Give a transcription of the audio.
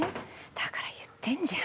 だから言ってんじゃん。